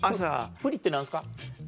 プリって何ですか？